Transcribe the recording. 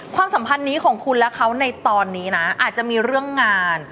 ความสัมพันธ์นี้ของคุณและเขาในตอนนี้นะอาจจะมีเรื่องงาน